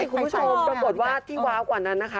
คุณผู้ชมปรากฏว่าที่ว้าวกว่านั้นนะคะ